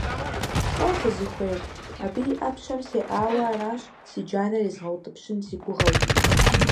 ЛӀо фызыхуейр? Абы и Ӏэпщэм сеӀауэ аращ, си джанэр езгъэутӀыпщын си гугъэу.